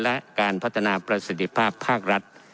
และการพัฒนาประสิทธิภาพภาครัฐ